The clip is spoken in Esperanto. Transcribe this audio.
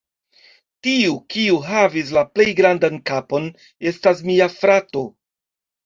Tiu, kiu havis la plej grandan kapon, estas mia frato.